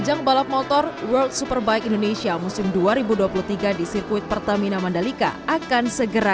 ajang balap motor world superbike indonesia musim dua ribu dua puluh tiga di sirkuit pertamina mandalika akan segera